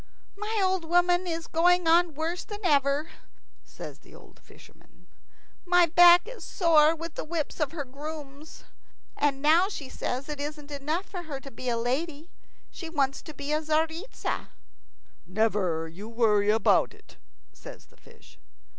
"My old woman is going on worse than ever," says the old fisherman. "My back is sore with the whips of her grooms. And now she says it isn't enough for her to be a lady; she wants to be a Tzaritza." "Never you worry about it," says the fish.